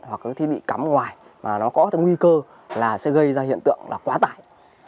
hoặc các thiết bị cắm ngoài mà nó có nguy cơ là sẽ gây ra hiện tượng là quá tải